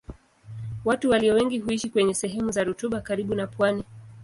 Watu walio wengi huishi kwenye sehemu za rutuba karibu na pwani.